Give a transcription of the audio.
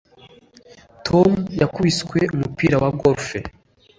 tom yakubiswe umupira wa golf